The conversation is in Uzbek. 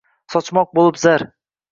Sochmoq bo’lib zar